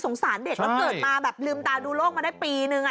สารเด็กแล้วเกิดมาแบบลืมตาดูโลกมาได้ปีนึง